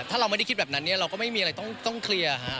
ถ้าเราไม่ได้คิดแบบนั้นเนี่ยเราก็ไม่มีอะไรต้องเคลียร์ฮะ